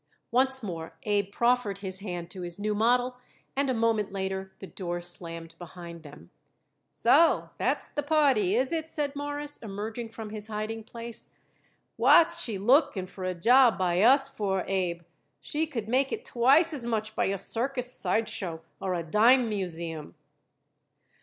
Once more Abe proffered his hand to his new model, and a moment later the door slammed behind them. "So, that's the party, is it?" said Morris, emerging from his hiding place. "What's she looking for a job by us for, Abe? She could make it twice as much by a circus sideshow or a dime museum."